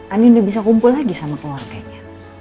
ani udah bisa kumpul lagi sama keluarganya